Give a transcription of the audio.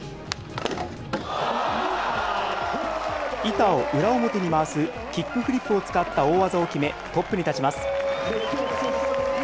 板を裏表に回すキックフリップを使った大技を決め、トップに立ちます。